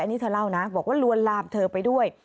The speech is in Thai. นี่เธอเล่านะบอกว่าลวนลามเธอไปด้วย